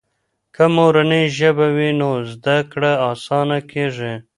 که مورنۍ ژبه وي نو زده کړه آسانه کیږي.